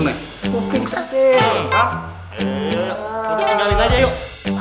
udah tinggalin aja yuk